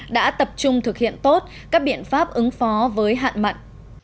đã tập trung thực hiện tốt các biện pháp ứng phó với hạn mặn